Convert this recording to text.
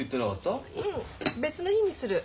うん別の日にする。